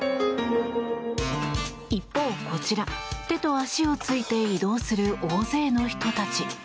一方こちら、手と足をついて移動する大勢の人たち。